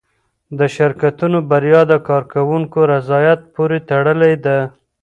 د شرکتونو بریا د کارکوونکو رضایت پورې تړلې ده.